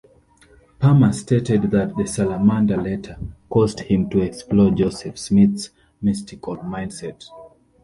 Palmer stated that the "salamander letter" caused him to explore Joseph Smith's "mystical mindset".